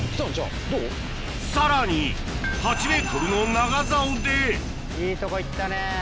さらに８ｍの長竿でいいとこいったね。